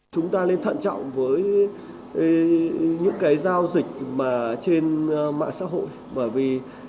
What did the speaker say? chúng ta nên thận trọng với những cái giao dịch mà trên mạng xã hội